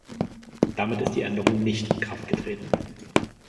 Damit ist die Änderung nicht in Kraft getreten.